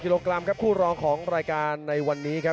กิโลกรัมครับคู่รองของรายการในวันนี้ครับ